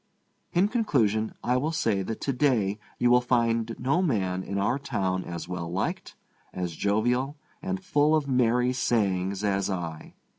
In conclusion, I will say that to day you will find no man in our town as well liked, as jovial, and full of merry sayings as I.